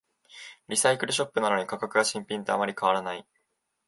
リサイクルショップなのに価格が新品とあまり変わらない